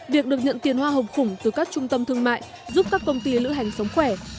việc được nhận tiền hoa hồng khủng từ các trung tâm thương mại giúp các công ty lữ hành sống khỏe